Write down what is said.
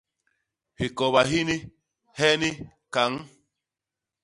Hikoba hini, heni, kañ.